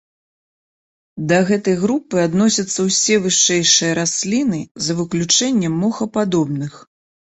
Да гэтай групы адносяцца ўсё вышэйшыя расліны за выключэннем мохападобных.